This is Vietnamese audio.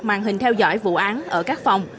màn hình theo dõi vụ án ở các phòng